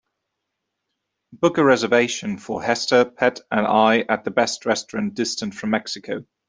Book a reservation for hester, pat and I at the best restaurant distant from Mexico